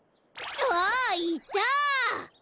あっいた！